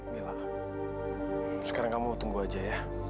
mila sekarang kamu tunggu aja ya